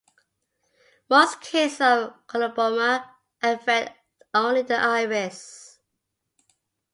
Most cases of coloboma affect only the iris.